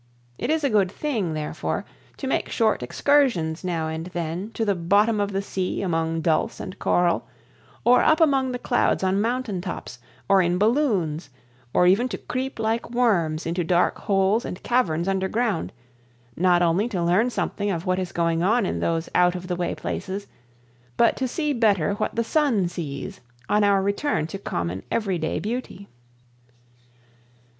It is a good thing, therefore, to make short excursions now and then to the bottom of the sea among dulse and coral, or up among the clouds on mountain tops, or in balloons, or even to creep like worms into dark holes and caverns underground, not only to learn something of what is going on in those out of the way places, but to see better what the sun sees on our return to common every day beauty.